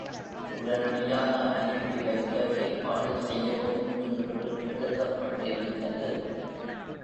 உடனடியாக அனுப்பி வைக்க ஏற்பாடு செய்யவும் என்று எழுதப்பட்டிருந்தது.